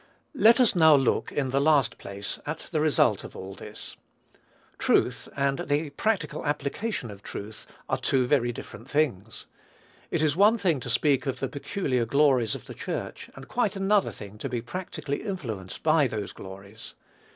Let us now look, in the last place, at the result of all this. Truth, and the practical application of truth, are two very different things. It is one thing to speak of the peculiar glories of the Church, and quite another thing to be practically influenced by those glories.